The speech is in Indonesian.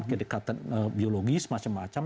kedekatan biologis macam macam